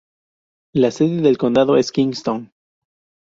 La sede de condado es Kingston.